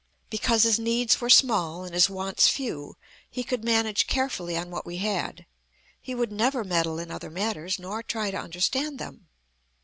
Because his needs were small, and his wants few, he could manage carefully on what we had. He would never meddle in other matters, nor try to understand them.